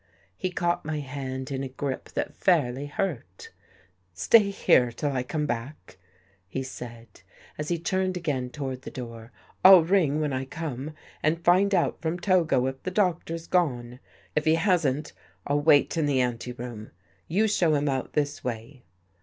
He caught my hand In a grip that fairly hurt. " Stay here till I come back," he said, as he turned again toward the door. " I'll ring when I come and find out from Togo If the Doctor's gone. If he hasn't. I'll wait In the ante room. You show him out this way."